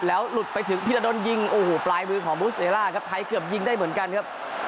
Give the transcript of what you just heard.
แล้วหลุดไปถึงพิรดลยิงโอ้โหปลายมือของบูสเตรล่าครับไทยเกือบยิงได้เหมือนกันครับ